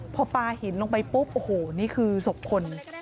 พอปลาหินลงไปปุ๊บโอ้โหนี่คือศพคน